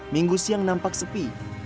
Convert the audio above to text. minggu siang nampak sepi